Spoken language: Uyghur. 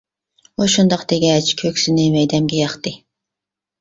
ئۇ شۇنداق دېگەچ كۆكسىنى مەيدەمگە ياقتى.